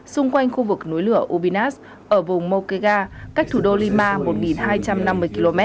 xung quanh khu vực núi lửa ubinas ở vùng mokhega cách thủ đô lima một hai trăm năm mươi km